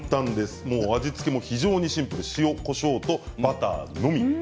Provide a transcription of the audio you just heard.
味付けも非常にシンプル、塩、こしょうとバターのみ。